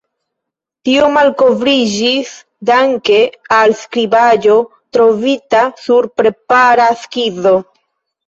Tio malkovriĝis danke al skribaĵo trovita sur prepara skizo.